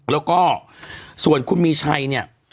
แล้วก็ส่วนคุณมีชัยเนี่ย